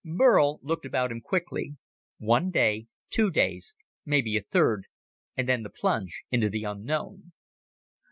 Burl looked about him quickly. One day, two days, maybe a third and then, the plunge into the unknown.